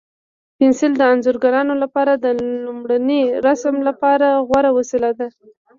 پنسل د انځورګرانو لپاره د لومړني رسم لپاره غوره وسیله ده.